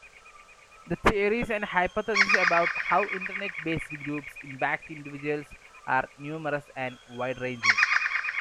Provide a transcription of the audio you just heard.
The theories and hypotheses about how Internet-based groups impact individuals are numerous and wide-ranging.